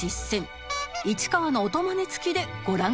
市川の音マネ付きでご覧ください